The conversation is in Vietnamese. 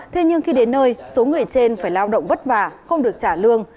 thế nhưng khi đến nơi số người trên phải lao động vất vả không được trả lương